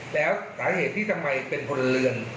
แล้วสาเหตุที่ทำไมเป็นพลเรือน